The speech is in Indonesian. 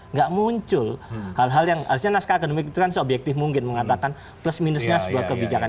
nggak muncul hal hal yang harusnya naskah akademik itu kan seobjektif mungkin mengatakan plus minusnya sebuah kebijakan